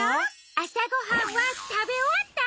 あさごはんはたべおわった？